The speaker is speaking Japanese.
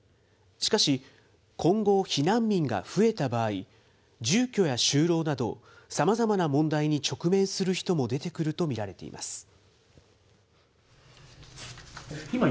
しかし、今後、避難民が増えた場合、住居や就労など、さまざまな問題に直面する人も出てくると見られています。